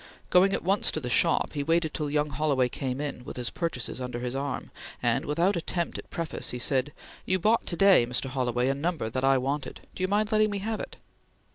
Going at once to the shop he waited till young Holloway came in, with his purchases under his arm, and without attempt at preface, he said: "You bought to day, Mr. Holloway, a number that I wanted. Do you mind letting me have it?"